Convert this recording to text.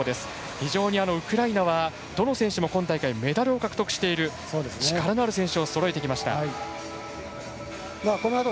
非常にウクライナはどの選手も今大会、メダルを獲得している力のある選手をそろえてきました。